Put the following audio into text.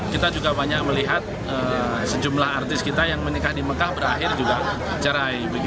kita juga banyak melihat sejumlah artis kita yang menikah di mekah berakhir juga cerai